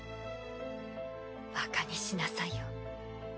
バカにしなさいよ。